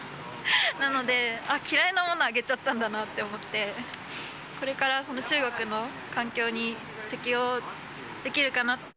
なので、あっ、嫌いなもの、あげちゃったんだなって思って、これからその中国の環境に適応できるかな。